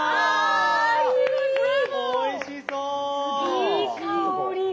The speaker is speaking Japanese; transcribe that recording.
いい香りが。